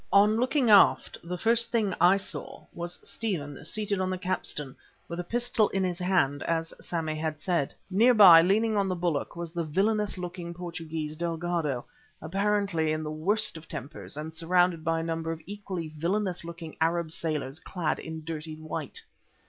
On looking aft the first thing that I saw was Stephen seated on the capstan with a pistol in his hand, as Sammy had said. Near by, leaning on the bulwark was the villainous looking Portugee, Delgado, apparently in the worst of tempers and surrounded by a number of equally villainous looking Arab sailors clad in dirty white.